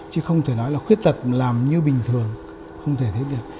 chứ không thể nói là khuyết tật làm như bình thường không thể thấy được